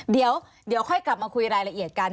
เดี๋ยวค่อยกลับมาคุยรายละเอียดกัน